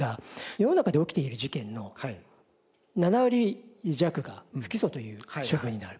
世の中で起きている事件の７割弱が不起訴という処分になる。